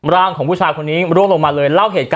ร่างของผู้ชายคนนี้ร่วมลงมาเลย